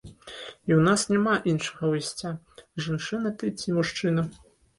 І ў нас няма іншага выйсця, жанчына ты ці мужчына.